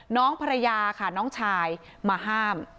น้องภรรยาค่ะน้องชายมาห้าม